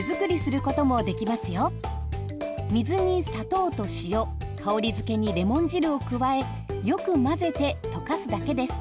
水に砂糖と塩香りづけにレモン汁を加えよく混ぜて溶かすだけです。